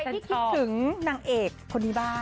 ที่คิดถึงนางเอกคนนี้บ้าง